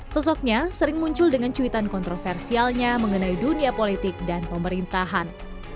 sosoknya sering muncul dengan cuitan kontroversialnya mengenai dunia politik dan pemerintahan